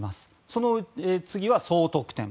その次は総得点。